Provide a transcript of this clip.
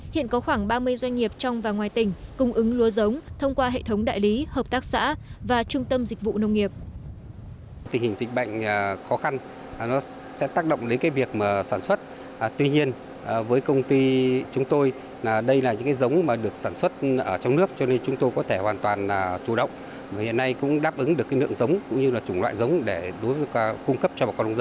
hiện có khoảng ba mươi doanh nghiệp trong và ngoài tỉnh cung ứng lúa giống thông qua hệ thống đại lý hợp tác xã và trung tâm dịch vụ nông nghiệp